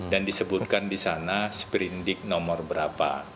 dan disebutkan di sana sprendik nomor berapa